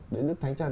đến nước thánh trần